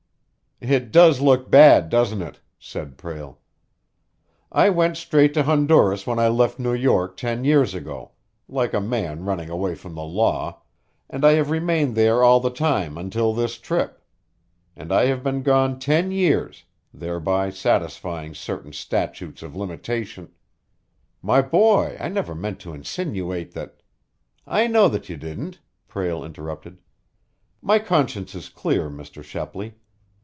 "It does look bad, doesn't it?" said Prale. "I went straight to Honduras when I left New York ten years ago, like a man running away from the law, and I have remained there all the time until this trip. And I have been gone ten years thereby satisfying certain statutes of limitation " "My boy, I never meant to insinuate that " "I know that you didn't," Prale interrupted. "My conscience is clear, Mr. Shepley.